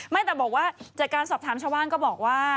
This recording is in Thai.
ไม่แต่บอกว่าจากการสอบถามชาวบ้านก็บอกว่า